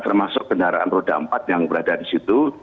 termasuk kendaraan roda empat yang berada di situ